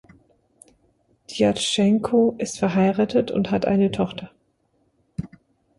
Djatschenko ist verheiratet und hat eine Tochter.